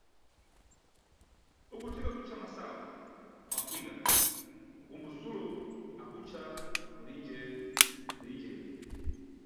Uku Thika ankutca masayu mafuyira, ukumbo Sulo akutca mulige-mulige.